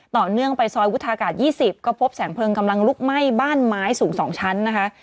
ต่อเนื่องไปซอยวุฒากาศ๒๐ก็พบแสงเพลิงกำลังลุกไหม้บ้านไม้สูง๒ชั้นนะคะ